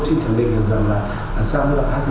xin khẳng định rằng là sau